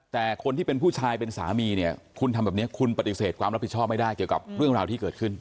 แต่คนที่เป็นผู้ชายเป็นสามีเนี่ยคุณทำแบบนี้คุณปฏิเสธความรับผิดชอบไม่ได้เกี่ยวกับเรื่องราวที่เกิดขึ้น